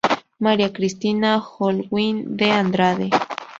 María Cristina Holguín De Andrade.